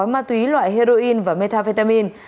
ma túy loại heroin và methamphetamine